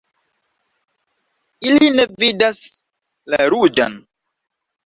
Ili ne vidas la ruĝan.